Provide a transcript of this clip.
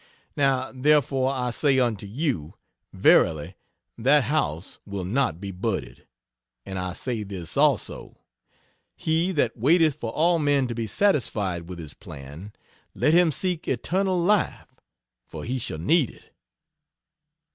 Now therefore I say unto you, Verily that house will not be budded. And I say this also: He that waiteth for all men to be satisfied with his plan, let him seek eternal life, for he shall need it.'"